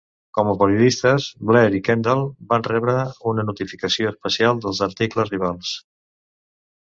Com a periodistes, Blair i Kendall van rebre una notificació especial dels articles rivals.